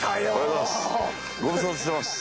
ご無沙汰しています。